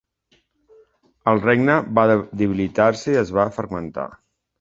El regne va debilitar-se i es va fragmentar.